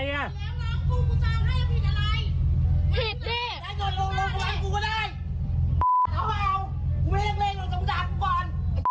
แล้วพี่ยืนจองได้มั้ย